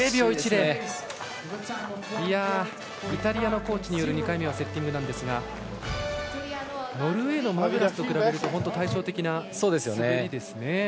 イタリアのコーチによる２回目のセッティングですがノルウェーのマグラスと比べると対照的な滑りですね。